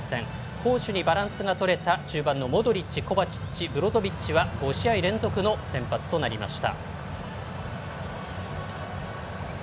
攻守にバランスがとれた中盤のモドリッチコバチッチ、ブロゾビッチは５試合連続の先発出場となりました。